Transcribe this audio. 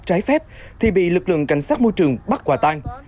trái phép thì bị lực lượng cảnh sát môi trường bắt quả tang